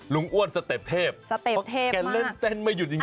ลุงอ้วนสเต็ปเทพได้เล่นเต้นไม่หยุดจริง